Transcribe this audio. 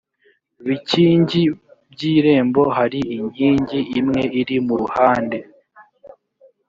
bikingi by irembo hari inkingi imwe iri mu ruhande